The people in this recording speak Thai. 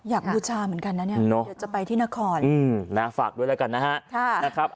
อยากบูชาเหมือนกันนะเนี่ยเดี๋ยวจะไปที่นครอืมนะฝากด้วยแล้วกันนะฮะค่ะนะครับ